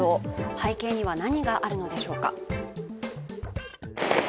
背景には何があるのでしょうか。